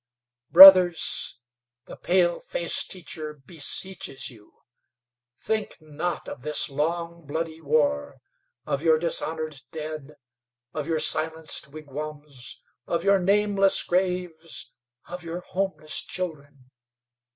"Brothers, the paleface teacher beseeches you. Think not of this long, bloody war, of your dishonored dead, of your silenced wigwams, of your nameless graves, of your homeless children.